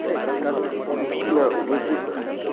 La vz.